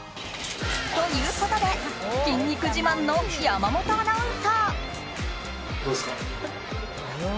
ということで筋肉自慢の山本アナウンサー。